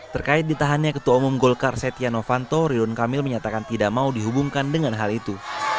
terkait ditahannya ketua umum golkar setia novanto ridwan kamil menyatakan tidak mau dihubungkan dengan hal itu